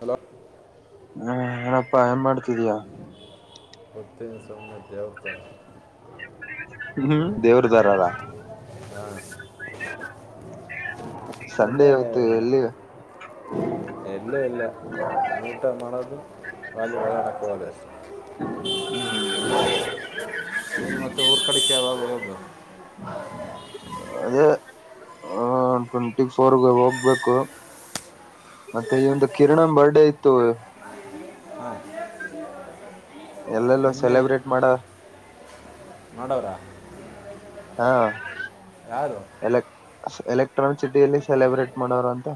Hello ಹ್ಮ ಏನಪ್ಪಾ ಏನ್ ಮಾಡ್ತ ಸರಿಯಾ ಉತ್ತಿನ ಸಮಮ್ಮ ದೇವತ [unintelligible] ಹ್ಮ್ ದೇವ್ರದಾರಾರ ಹ ಸಂಡೆ ಇವತ್ತು ಎಲ್ಲಿ ಇಲ್ಲ ಇಲ್ಲ ನಟ ಮಾಡದ ವಾಲ ಪ್ರ ಹದಸ್ [unintelligible] ಹ್ಮ್ ಮತ್ತೆ ಊರ್ ಕಡಕ್ಕೆವ ಬರ [unintelligible] ಹ ಟ್ವೆಂಟಿ ಫೋರ್ಗೆ ಹೋಗ್ಬೇಕು ಮತ್ತೆ ಈ ಒಂದು ಕಿರಣ ಬರ್ಡೇ ಇತ್ತು ಹ್ಮ ಎಲ್ಲೆಲ್ಲೋ ಸೆಲೆಬ್ರೇಟ್ ಮಾಡ [unintelligible] ಹಾ ಯಾರು ಎಲ್ಲ ಎಲೆಕ್ಟ್ರಾನಿಕ್ ಸಿಟಿಯಲ್ಲಿ ಸೆಲೆಬ್ರೇಟ್ ಮಾಡೋರು ಅಂತ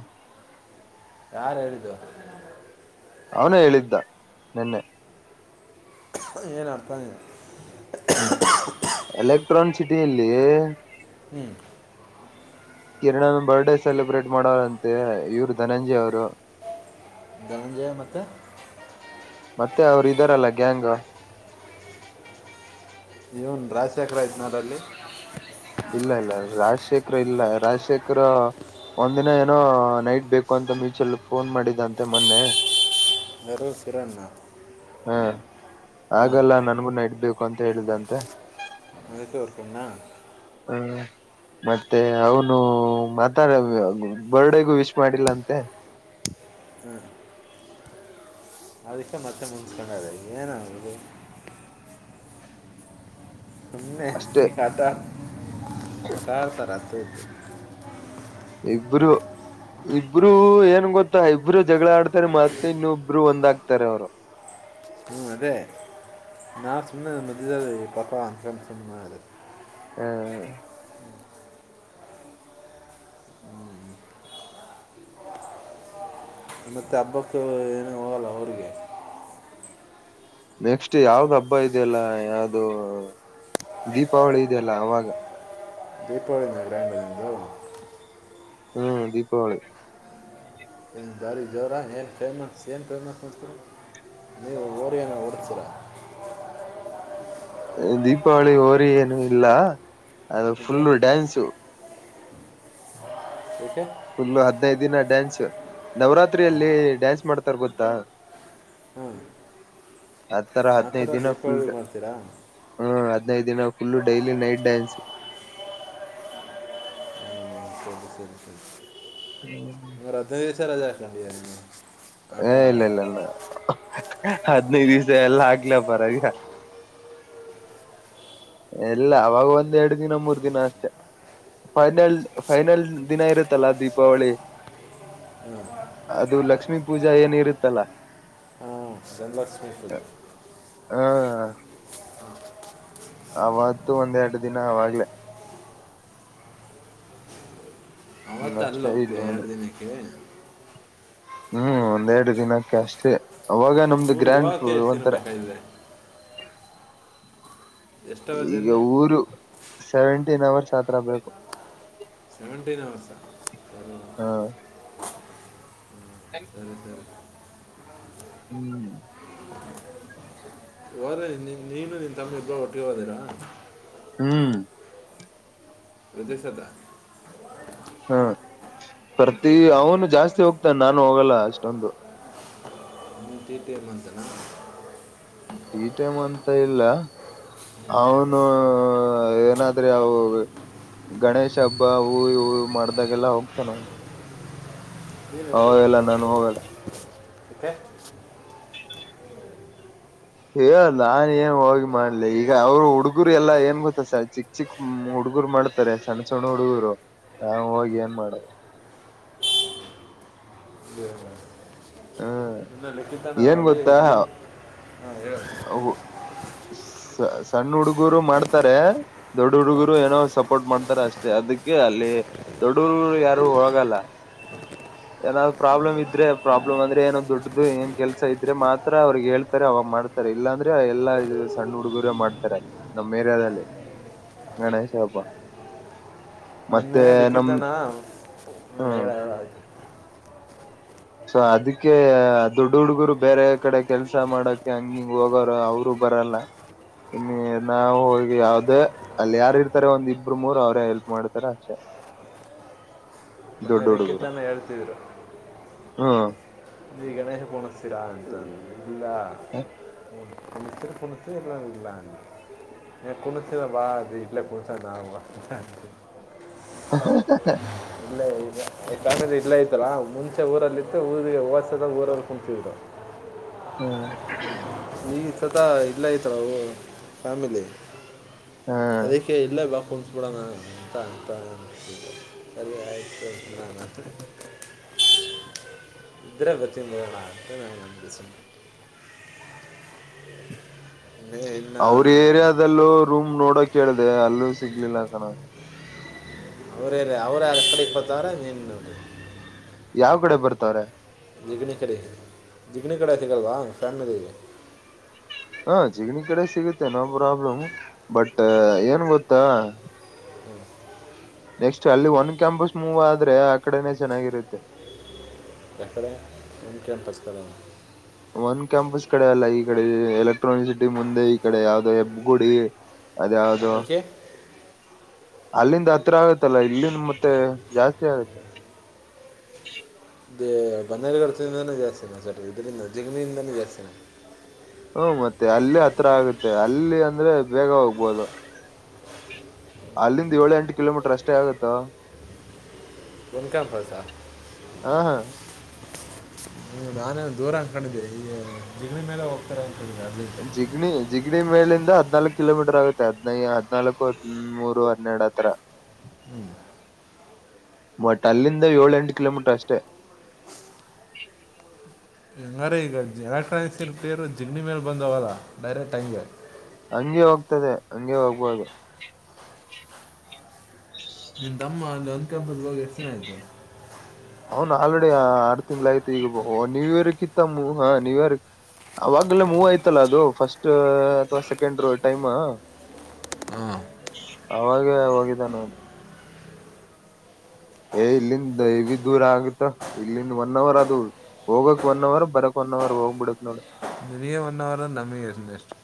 ಯಾರು ಹೇಳಿದ್ದು ಅವನೇ ಹೇಳಿದ್ದ ನಿನ್ನೆ [unintelligible] ಎಲೆಕ್ಟ್ರಾನ್ಕ್ ಸಿಟಿಲ್ಲಿ ಹ್ಞೂ ಕಿರಣನ ಬರ್ಡೇ ಸೆಲೆಬ್ರೇಟ್ ಮಾಡೋರಂತೆ ಇವರು ಧನಂಜಯ ಅವರು ಜ ಮತ್ತು ಮತ್ತೆ ಅವರು ಇದಾರಲ್ಲ ಗ್ಯಾಂಗ್ ಹ್ನು ರಾಜಶೇಖರ ಇಂದಲ್ಲ ಅಲ್ಲಿ ಇಲ್ಲ ಇಲ್ಲ ರಾಜಶೇಖರ್ ಇಲ್ಲ ರಾಜಶೇಖರ್ ಒಂದಿನ ಏನೋ ನೈಟ್ ಬೇಕು ಅಂತ ಮೀಚಲ್ ಫೋನ್ ಮಾಡಿದ್ದಂತೆ ಮೊನ್ನೆ ಮರುಸಿರನ್ನು [inaudible] ಹಾ ಹಾಗಲ್ಲಾ ನನಗು ಬೇಕು ಅಂತ ಹೇಳಿದಂತೆ ಅರ್ಕಣ [inaudible] ಮತ್ತೆ ಅವನು ಮಾತಾಡ ಬರ್ಡೇಗು ವಿಶ್ ಮಾಡಿಲ್ಲ ಅಂತೆ ಹ್ಮ್ [inaudible] ಅದಕ್ಕೆ ಮತ್ತೆ ಮುಂಚ್ಕೊಂಡದೆ ಏನದು [inaudible] ಹಮನೆ ಅಷ್ಟೇ ಇತ [unintelligible] [unintelligible] ಹಟತರತ ಇಬ್ರು ಇಬ್ರು ಏನ್ ಗೊತ್ತಾ ಇಬ್ರು ಜಗಳ ಆಡ್ತಾರೆ ಮತ್ತೆ ಇನ್ನುಬ್ರು ಒಂದ್ ಹಾಕ್ತಾರೆ ಅವರು ಹ್ಞೂ ಅದೇ ನಾು ಸುಮ್ಮನೆ ಮದ್ದ ಪಾಪ ಅಂದಕೊಂಡು ಸಿನಿಮಾ ಅದು ಹ್ಮ [inaudible] ಮತ್ತ ಹಬ್ಬಕ್ಕ ಏನ ಹೋಗಲ್ಲ ಅವ್ರಿಗೆ ನೆಕ್ಸ್ಟ್ ಯಾವ್ದ್ ಹಬ್ಬ ಇದೆಯಲ್ಲ ಯಾವ್ದು ದೀಪಾವಳಿ ಇದೆಯಲ್ಲ ಅವಾಗ ದೀಪಾವಳಿಂದ ಗ್ರ್ಯಾಂಡ ನಿಮ್ದು ಹ್ಮ್ ದೀಪಾವಳಿ ಏನು ಬಾರಿ ಜೋರ ಏನು ಫೇಮಸ್ ಏನು ಫೇಮಸ್ ಅಂತ ನೀವು ಓರಿಯಏನ ಹೊಡ್ತೀರ ದೀಪಾವಳಿ ಹೋರಿ ಏನು ಇಲ್ಲ ಅದು ಮತ್ತೆ ಫುಲ್ಲ ಡ್ಯಾನ್ಸು ಓಕೆ ಫುಲ್ ಹದ್ನೈದು ದಿನ ಡ್ಯಾನ್ಸ್ ನವರಾತ್ರಿಯಲ್ಲಿ ಡ್ಯಾನ್ಸ್ ಮಾಡ್ತ ಉತ್ತರ ಗೊತ್ತ ಹ್ಮ್ ಅದ್ ತರ ಹದ್ಿನೈದು ದಿನ ಫುಲ್ ಮಾಡ್ತೀರಾ ಹ್ಮ ಹದ್ಿನೈದು ದಿನ ಇಲ್ಲು ಡೈಲಿ ನೈಟ್ ಡ್ಯಾನ್ಸ್ ಕ ದಿಸಿೇ ದಿಸಿ [unintelligible] ಹ್ಮ್ [inaudible] ಸರ ಆ [unintelligible] ಹ ಇಲ್ಲ ಟೈಮಿಗೆ ಇಲ್ಲ ಇಲ್ಲ ಹದನ ದಿವಸ ಎಲ್ಲ ಆಗಲ ಪರ ಎಲ್ಲ ಅವಾಗ ಒಂದ್ ಎರಡ್ ದಿನ ಮೂರ್ ದಿನ ಅಷ್ಟೆ ಫೈನಲ್ ಫೈನಲ್ ದಿನ ಇರುತ್ತಲ್ಲ ದೀಪಾವಳಿ ಅದು ಲಕ್ಷ್ಮೀ ಪೂಜಾ ಏನ ಇರುತ್ತಲ್ಲ ಜನ್ಲಕ್ಷ್ಮೀ ಪೂಜೆ ಹಾ ಅವತ್ತುೂ ಒಂದ್ೆರಡು ದಿನ ಅವಾಗ್ಲ ಅವತ್ತ ಅಲ್ಲಿ ಹೋಗ್ತೀಯ ಎರಡು ದಿನಕ್ಕೆ ಹ್ಮ್ ಒಂದೆರಡು ದಿನಕ್ಕೆ ಅಷ್ಟೇ ಅವಾಗ ನಮ್ದು ಊರಿಗೆ ಗ್ರ್ಯಾಂಡ್ ಹೋಗೋಕ್ಕೆ ಎಷ್ಟು ದಿನ ಒಂಥರ ಬೇಕಾಗಿದೆ ಎಷ್ಟು ಅವರ್ ಈಗ ಜರ್ನಿ ಊರು ಸೆವೆಂಟೀನ್ ಅವರ್ಸ್ ಅತ್ರ ಬೇಕು ಸೆವೆಂಟೀನ್ ಅವರ್ಸಾ ಸರಿ ಹಾ ಸರಿ ಸರಿ ಹ್ಮ್ ವರ ನೀನು ನಿನ್ ತಮ್ಮಿ ಇಬ್ಬ್ರ ಒಟ್ಟಿಗೆ ಹೊದಿರಾ ಹ್ಮ್ ಹೃದಿಸದ ಹಾ ಪ್ರತಿ ಅವನು ಜಾಸ್ತಿ ಹೋಗ್ತಾನ ನಾನು ಹೋಗಲ್ಲ ಅಷ್ಟೊಂದು ನೀಟ ಪಿ ಮಂತನ ಇ ಟೈಮ್ ಅಂತ ಇಲ್ಲ ಅವನು ಏನಾದ್ರೆ ಅವು ಗಣೇಶ ಹಬ್ಬ ಹೂ ಹೂ ಮಾಡ್ದಾಗೆಲ್ಲ ಹೋಗ್ತಾನ ಅವನು ನೀನು ಅವ ಹೋದ ಎಲ್ಲ ನಾನ ಹೋಗಲ್ಲ ಓಕೆ ಹಏ ನಾ ಏನ್ ಹೋಗಿ ಮಾಡ್ಲಿ ಈಗ ಅವರು ಹುಡ್ಗುರು ಸರ್ಗೊತ್ತ ಚಿಕ್ಕ ಚಿಕ್ ಹುಡ್ಗುರು ಮಾಡ್ತಾರೆ ಸಣ್ಣ ಸಣ್ಣ ಹುಡುಗರು ನಾ ಹೋಗಿ ಏನ್ ಮಾಡದು ಹಾ ಲಕ್ಕಿದ್ದ ನಾಭ ಆಗ [unintelligible] ಅವು ಸಣ್ಣ ಹುಡುಗರು ಮಾಡ್ತಾರೆ ದೊಡ್ ಹುಡುಗರು ಏನೋ ಸಪೋರ್ಟ್ ಮಾಡ್ತಾರ ಅಷ್ಟೆ ಅದಕ್ಕೆ ಅಲ್ಲಿ ದೊಡ್ಡ ಹುಡುಗರು ಯಾರು ಹೋಗಲ್ಲ ಏನಾದ್ರು ಪ್ರಾಬ್ಲಮ್ ಇದ್ರೆ ಪ್ರಾಬ್ಲಮ್ ಅಂದ್ರೆ ಏನೋ ದೊಡ್ಡದು ಏನ್ ಕೆಲ್ಸ ಇದ್ರೆ ಮಾತ್ರ ಅವ್ರಗ್ ಹೇಳ್ತಾರೆ ಅವಾಗ ಮಾಡ್ತ ತ ಇಲ್ಲಾಂದ್ರೆ ಎಲ್ಲಾ ಇದು ಸಣ್ಣ ಹುಡುಗರೆ ಮಾಡ್ತಾರೆ ನಮ್ಮ್ ಏರಿಯಾದಲ್ಲಿ ಗಣೇಶ ಹಬ್ಬ ಮತ್ತೆ ಮೊನ್ನೆ ನಮ್ ಲಿಖಿತನ ಹಾ ಹೇಳ ಹೇಳ ಆಯ್ತು ಸೊ ಅದಕ್ಕೆ ದುಡ್ ಹುಡ್ಗರು ಬೇರೆ ಕಡೆ ಕೆಲ್ಸ ಮಾಡೋಕ ಹಂಗಿಂಗ್ ಹೋಗೋರೆ ಅವರು ಬರಲ್ಲ ಇನ್ನು ನಾವು ಹೋಗಿ ಯಾವ್ದೇ ಅಲ್ಲಿ ಯಾರ ಇರ್ತಾರೆ ಒಂದ್ ಇಬ್ರು ಮೂರು ಅವ್ರೇ ಹೆಲ್ಪ್ ಮಾಡ್ತಾರ ಅಷ್ಟೆ ಅದಕ್ಕೆ ತಾನೇ ಹೇಳ್ತೀದಿದ್ದು ಹಾ ಈ ಗಣೇಶ ಕೋನಸ್ತೀರ ಲ ಕುಣ ಕುಣಿತ ಎಲ್ಲ ಇಲ್ಲ ಕುಣಸ ಬಾ ಅದು ಇಟ್ಲ ಕುಣಸ [unintelligible] ಹ [inaudible] ತೇ ಇಲ್ಲ ಐತಲ್ಲಾ ಮುಂಚೆ ಊರಲ್ಲಿ ಇತ್ತು ಊ [unintelligible] ಬರರ್ಕು್ಫ ಹ್ಮ ಈ ಸತ ಇಲ್ಲ ಇತ್ರವು ಫ್ಯಾಮಿಲಿ ಅದಕ್ಕೆ ಇಲ್ಲ ಬಾಕು ಬಿಡೋಣ ಅಂತ ಅಂತ ಸರಿ ಆಯಿತು [inaudible] ನ [inaudible] ಇದ್ರೆ ಗೊತಂದು ಅ ನ ನ ಸುಮ್ಮನೆ ಇನ್ನು ಅವ್ರ ಏರಿಯಾದಲ್ಲೂ ರೂಮ್ ನೋಡ್ ನೋಡ ಕೇಳಿದೆ ಅಲ್ಲೂ ಸಿಗ್ಲಿಲ್ಲ ಕಣ ಅವರೇ ಅವರ ಎಡೆ ಪತಾರ ನೀ ಯಾವ್ ಕಡೆ ಬರ್ತವಾರೆ ಜಿಗನ ಕಡೆ ಜಿಗನ ಕಡೆ ಸಿಗಲ್ವಾ ಫ್ಯಾಮಿಲಿ ಹಾ ಚಿಗನಿ ಕಡೆ ಸಿಗುತ್ತೆ ನೋ ಪ್ರಾಬ್ಲಮ್ ಬಟ್ ಏನ್ ಗೊತ್ತಾ ನೆಕ್ಸ್ಟ್ ಅಲ್ಲಿ ಒನ್ ಕ್ಯಾಂಪಸ್ ಮೂವ್ ಆದ್ರೆ ಆ ಕಡೆನೇ ಚೆನ್ನಾಗಿರುತ್ತೆ ಅಕಡೆ ನಿಮ್ ಕ್ಯಾಂಪಸ್ ಕಡೆ ಒಂದ ಕ್ಯಾಂಪಸ್ ಕಡೆ ಅಲ್ಲ ಈ ಕಡೆ ಎಲೆಕ್ಟ್ರಾನಿಕ್ ಸಿಟಿ ಮುಂದೆ ಈ ಕಡೆ ಯಾವವುದೋ ಹೆಬ್ ಗುಡಿ ಅದಾವದೋ ಏಕೆ ಅಲ್ಲಿಂದ ಹತ್ರ ಆಗತ್ತಲ್ಲ ಇಲ್ಲಿಂದ ಮತ್ತೆ ಜಾಸ್ತಿ ಆಗತ್ತೆ ಅಂದ್ರೇ ಬನ್ನೇರುಗಡ್ತಿಂದಾನೇ ಜಾಸ್ತಿ ನ ಸ ಇದರಿಂದ ಜಗನಿಯಿಂದಾನೇ ಜಾಸ್ತಿನಾ ಹ್ಮ ಮತ್ತೆ ಅಲ್ಲೇ ಹತ್ರ ಆಗತ್ತೆ ಅಲ್ಲಿ ಅಂದ್ರೆ ಬೇಗ ಹೋಗ್ಬೋದು ಅಲ್ಲಿಂದ ಏಳು ಎಂಟು ಕಿಲೋಮೀಟರ್ ಅಷ್ಟೇ ಆಗತ್ತೋ ಹ ಕ್ಯಾಂಪಸ್ ಹ ಹ ನಾನೇ ದೂರ ಅಕೊಂಡಿದ್ದೆ ಈಗ ಜಿಗಣಿ ಮೇಲೆ ಹೋಗ್ತಾರೆ ಅಂದ್ಕೊಂಡಿದ್ದೆ ಅಲ್ಲಿ ಜಿಗಣಿ ಜಿಗ್ ಇಡೀ ಮೇಲಿಂದ ಹದ್ನಾಲ್ಕು ಕಿಲೋಮೀಟರ್ ಆಗುತ್ತೆ ಹದ್ನೈ ಹದ್ನಾಲ್ಕು ಹದ ಮೂರು ಹದರಡು ಆ ತರ ಹ್ಮ್ ಬಟ್ ಅಲ್ಲಿಂದ ಏಳ ಎಂಟು ಕಿಲೋಮೀಟರ್ ಅಷ್ಟೆ ಎಂಗರೆ ಈಗ ಎಲೆಕ್ಟ್ರಾನಿಕ್ಸ್ ರಿಪೇರ್ ಜಿಗ್ನಿ ಮೇಲೆ ಬಂದವಲ್ಲ ಡೈರೆಕ್ಟ್ ಹಂಗ್ಯ ಹಂಗೆ ಹೋಗ್ತದೆ ಹಂಗೆ ಹೋಗ್ಬೋದು ನಿನ್ ತಮ್ಮ ಅಲ್ಲಿ ಅನ್ಕಂಪಲ್ ಹೋಗಿ ಎಷ್ಟು ದಿನ ಆಯ್ತು. ಅವನ್ ಆಲ್ರೆಡಿ ಆರ್ ತಿಂಗ್ಳ ಆಯ್ತಿ ಈಗ ನ್ಯೂ ಇಯರ್ಕ್ ಇತ್ತ ಮೂವ್ ಹ ನ್ಯೂ ಇಯರ್ ಅವಾಗಲ್ಲ ಮೂವ್ ಆಯ್ತಲ್ಲ ಅದು ಫಸ್ಟ್ ಅಥವಾ ಸೆಕೆಂಡ್ ಟೈಮ್ ಅವಾಗ ಹೋಗಿದ್ದ ನಾನ್ ಏ ಇಲ್ಲಿಂದ ಇವಿ ದೂರ ಆಗತ್ತ ಇಲ್ಲಿಂದ ಒನ್ ಅವರ್ ಅದು ಹೋಗಕ್ ಒನ್ ಅವರ್ ಬರಕ್ ಒನ್ ಅವರ್ ಹೋಗ್ಬಿಡತ್ ನೋಡ ಪ್ರಿಯ ಒನ್ ಅವರ ನಮಗೆ ಇನ್ ಎಷ್ಟು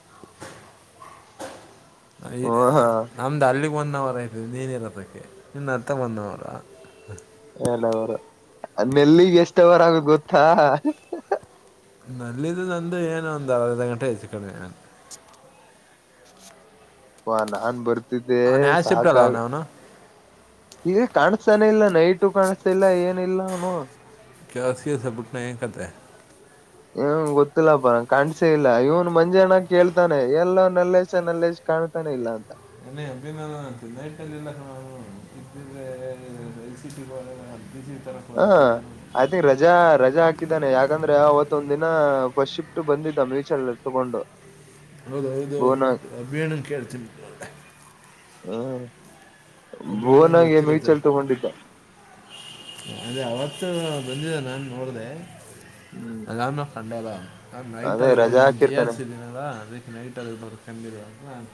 ಹ ನಮ್ದು ಅಲ್ಲಿ ಒನ್ ಅವರ್ ಆಯ್ತದೆ ನೀನ ಇರದಕ್ಕೆ ನಿನ್ನ ಅಂತ ಒನ್ ಅವರ ಎಲ್ಲವರು ನೆಲ್ಲಿಗೆ ಎಷ್ಟವರಗ ಗೊತ್ತಾ ನಲ್ಲ ಇಂದು ನಂದು ಏನು ಒಂದು ಅರ್ದ ಗಂಟೆ ಹೆಚ್ಚು ಕಮ್ಮಿ ಹಾ ನಾನ್ ಬರ್ ದಿದ್ದೆ ಅವ್ನು ಯಾವ ಶಿಫ್ಟ್ ಸಾಕ ಅಲ್ಲ ಅವನು ಅವನು ಈಗ ಕಾಣಸಾನ ಇಲ್ಲ ನೈಟು ಕಾಣಸಲ್ಲ ಏನಿಲ್ಲ ಅವನು ಕೆನ್ಸ ಗಿಸ್ಸ್ ಬಿಟನ ಎ ನ್ಕತೆೆ ಹಏ ಗೊತ್ತಿಲ್ಲಪ್ಪ ಕಾಣ್ಸೇ ಇಲ್ಲ ಇವನ್ ಮಂಜಾನ ಕೇಳ್ತಾನೆ ಎಲ್ಲ ನಲ್ಲಸ ನಲ್ಲಸ ಕಾಣ್ತಾನೆ ಇಲ್ಲ ಅಂತ ನೈಟ್ಲ್ ಎಲ್ಲ ಸಮ [unintelligible] ಹಾ ಹೋದ ಸೀರಿಯಲ್ ಐ ತಿಂಕ್ ರಜಾ ರಜಾ ಹಾಕಿದ್ದಾನೆ ಯಾಕಂದ್ ಅವತ್ತೊಂದ ದಿನ ಫಸ್ಟ್ ಶಿಫ್ಟ್ ಬಂದಿದ್ದ ಮೀಚಲ್ಲಿ ತಗೊಂಡು ಹೌದ ಹೌದು ಭುವನಾಗ್ ಅಭಿಣ್ಣನ್ ಕೇಳ್ತೀನಿ ಹ್ಮ ಅಭಿಯಣ್ಣಂಗೆ ಬೋನಗೆ ಗೊತ್ತಿರುತ್ತೆ ಮ್ಯೂಚಲ್ ತಗೊಂಡಿದ್ದ ಅದೇ ಅವತ್ತು ಬಂದಿದೆ ನಾನ್ ನೋಡ್ದೆ. ಹ್ಮ್ ಅದಾದ್ ಮೇಲೆ ಕಂಡಿಲ್ಲ. ನಾ ಅದೇ ನೈಟಲ್ಲಿ ಇರ್ಬೋದು ರಜಾ ನಾನ ಜಿ ಹಾಕಿರ್ತಾನೆ ಹಾಕ್ಸಿನಿಲ್ಲ ಇದಿದ್ದೀನಲ್ಲವಾ ಅದಕ್ಕೆ ನೈಟಲ್ಲಿ ಇರ್ಬೋದು ಕಮ್ಮಿ ಇ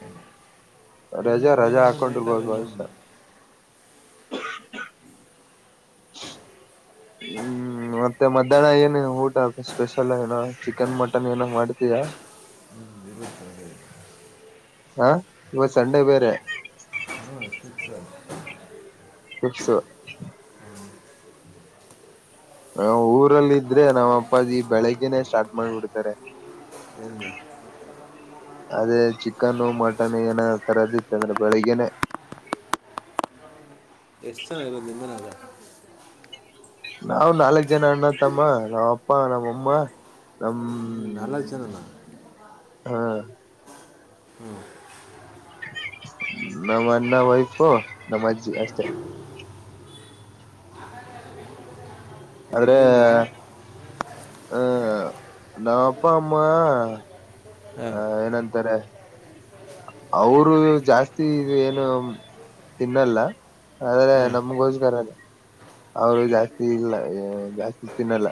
ರಜಾ ರಜಾ ಆಕೌಂಟರು ಬಹ ನೈಟಲ್ಲಿ ಭಾವಸ ಇನ್ನೊಂದು [unintelligible] ಹ್ಮ್ ಮತ್ತೆ ಮಧ್ಯಾಹ್ನ ಏನ ಊಟ ಸ್ಪೆಷಲ್ ಏನ ಚಿಕನ್ ಮಟನ್ ಏನ ಮಾಡ್ತಿಯಾ ಹಾ ಇವತ್ ಸಂಡೆ ಬೇರೆ ಹ್ಞೂ ಫಿಕ್ಸ್ ಅದು ಸು ಹ ಊರಲ್ಲಿ ಇದ್ರೆ ನಾವ ಅಪ್ಪ ಈ ಬೆಳಗ್ನೆೇ ಸ್ಟಾರ್ಟ್ ಮಾಡ್ಬಿಡ್ತಾರೆ ಏನು ಅದೇ ಚಿಕನ್ ಮಟನ್ ಏನ ತರದ ಇತ್ತ ಅಂದ್ರೆ ಬೆಳಿಗ್ಗೆನೆೇ ಎಷ್ಟು ಜನ ಇರೋದು ನಿಮನ್ಯಾ. ನಾವವು್ ನಾಲ್ಕ್ ಜನ ಅಣ್ಣತ್ತಮ್ಮ ನಾವ್ ಅಪ್ಪ ನಮ್ಮ್ಅಮ್ಮ ನಮ್ಮ ನಾಲಕ್ ಜನನ ಹಾ ನಮ್ಮ ಅನ್ನ ವೈಫು ನಮ್ಮ ಅಜ್ಜಿ ಅಷ್ಟೇ. ಆದ್ರೆ ನೀವು ನಾಲ್ಕು ಹಹ ನಾಮ್ ಅಪ್ಪ ಅಮ್ಮ ಹಾಂ ಆ ಏನಂತಾರೆ. ಅವರು ಜಾಸ್ತಿ ಏನು ತಿನ್ನಲ್ಲ ಆದ್ರೆ ಹಾಂ ನಮಗೋಸ್ಕರ ಅವರು ಜಾಸ್ತಿ ಇಲ್ಲ ಜಾಸ್ತಿ ತಿನ್ನಲ್ಲ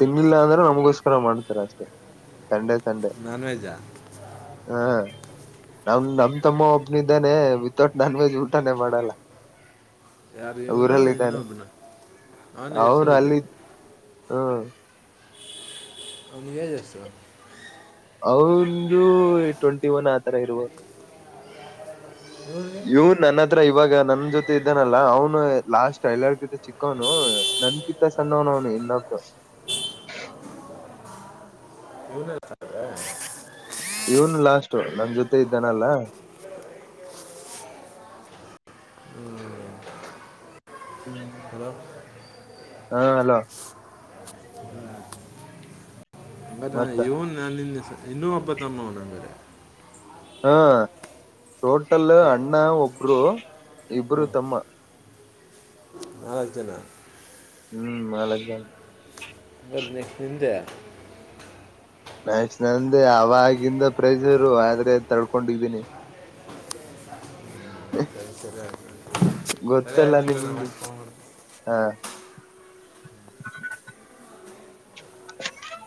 ತಿನ್ನಿಲ್ಲ ಅಂದ್ರೆ ನಮಗೋಸ್ಕರ ಮಾಡ್ತಾರೆ ಅಷ್ಟೆ. ನಾನ್ವೆೆಜ್ಾ ಹಾ ನಾವ ನಮ ತಮ್ಮ ಒಬ್ನ ಇದಿದ್ದಾನೆ ವಿತೌಟ್ ನಾನ್ ವೆಜ್ ಊಟಾನೇ ಮಾಡಲ್ಲ. ಯಾರ ಇವ್ನಾ ಊರಲ್ಲ ಇದ್ದಾನೆ ಇನ್ನೊಬ್ನ ಅವನ್ ಎಷ್ಟ ಅವನು ಏಜ್. ಅಲ್ಲಿ ಹ್ಮ ಅವನ್ಗೆ ಏಜ್ ಎಷ್ಟು. ಅವಂದು ಟ್ವೆಂಟಿ ಒನ್ ಆತರ ಇರುವ. ಇವು ನಾನಂದ್ ಹತ್ರ ಇವಾಗ ನನ್ ಜೊತೆ ಇದ್ದನಲ್ಲ ಅವ್ನು ಲಾಸ್ಟ್ ಎಲ್ಲೆರ ಕಿಂತ ಚಿಕ್ಕವನು ನನ್ ಕಿಂತ ಸಣ್ಣವ್ನ ಅವನು ಇನ್ನೊಬ್ು. ಇವನ್ ಲಾಸ್ಟ್ ನನ್ ಜೊತೆ ಇದ್ದಾನಲ್ಲ. ಹ್ಮ ಹಲೋ ಹಾ ಅಲೋ. ಮತ್ತ ಮತ್ ಇವನ್ ನಾನನ್ ನಿನ್ನೆಸ. ಇನ್ನೂ ಹಬ್ಬ ತಮ್ಮವನಂದರೆ. ಹಾ ಟೋಟಲ್ ಅಣ್ಣ ಒ ಇಬ್ರು ಇಬರು ತಮ್ಮ. ನಾಲಕ್ ಜನ ಹ್ಮ್ ನಾಲಕ್ ಜನ. ಬದ ನೆಕ್ಸ್ಟ್ ನಿಿಂದೆ ಮ್ಯಾಚ್ ನಂದ ಅವಾಗಿಂದ ಪ್ರೈಜ್ ಇರು ಆದ್ರೆ ತಳ್ಕೊಂಡಿದ್ದೀನಿ. ಗೊತ್ ನಮಸ್. ಹಾ ಹ ಹ ಹ